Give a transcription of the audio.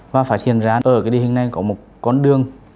và phát hiện ra ở cái địa hình này có một con đường